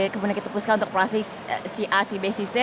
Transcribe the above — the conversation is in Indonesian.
kemudian kita pusatkan untuk operasi ca cb cc